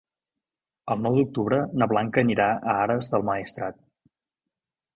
El nou d'octubre na Blanca anirà a Ares del Maestrat.